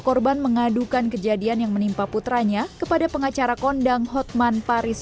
korban mengadukan kejadian yang menimpa putranya kepada pengacara kondang hotman paris